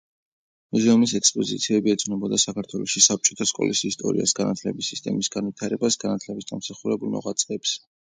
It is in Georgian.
მუზეუმის ექსპოზიციები ეძღვნებოდა საქართველოში საბჭოთა სკოლის ისტორიას, განათლების სისტემის განვითარებას, განათლების დამსახურებულ მოღვაწეებს.